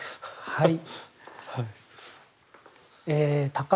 はい。